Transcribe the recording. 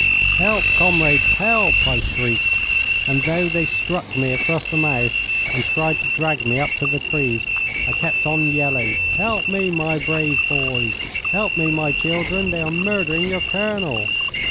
'Help, comrades, help!' I shrieked, and though they struck me across the mouth and tried to drag me up to the trees, I kept on yelling, 'Help me, my brave boys! Help me, my children! They are murdering your colonel!'